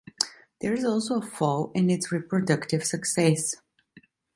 There is also a fall in its reproductive success.